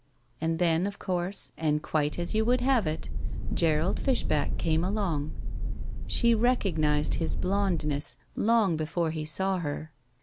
And then, of course, and quite as you would have it, Gerald Fishback came along. She recognized his blondness long before he saw her.